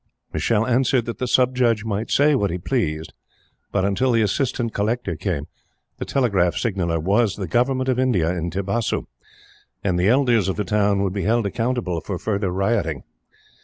Michele answered that the Sub Judge might say what he pleased, but, until the Assistant Collector came, the Telegraph Signaller was the Government of India in Tibasu, and the elders of the town would be held accountable for further rioting.